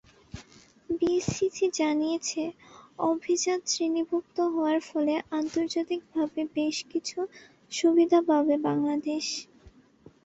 BSEC জানিয়েছে, অভিজাত শ্রেণীভুক্ত হওয়ার ফলে আন্তর্জাতিকভাবে বেশ কিছু সুবিধা পাবে বাংলাদেশ।